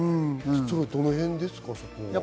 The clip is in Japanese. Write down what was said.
どの辺ですか？